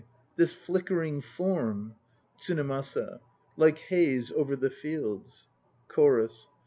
This flickering form ... TSUNEMASA. Like haze over the fields. CHORUS.